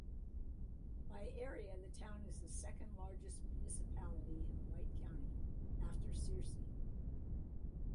By area, the town is the second largest municipality in White County, after Searcy.